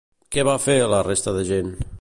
Què va fer la resta de gent?